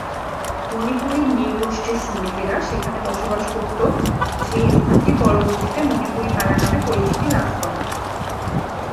মণিপুরি নৃ-গোষ্ঠীর শ্রমিকেরা সেখানে বসবাস করতো, সেই স্থানটি পরবর্তীতে 'মণিপুরী পাড়া' নামে পরিচিতি লাভ করে।